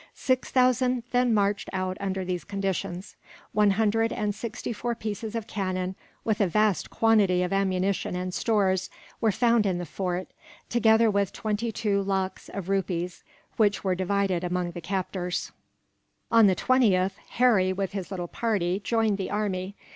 Six thousand then marched out under these conditions. One hundred and sixty four pieces of cannon, with a vast quantity of ammunition and stores, were found in the fort; together with twenty two lakhs of rupees, which were divided among the captors. On the 20th, Harry, with his little party, joined the army.